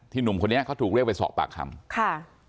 หนุ่มคนนี้เขาถูกเรียกไปสอบปากคำค่ะ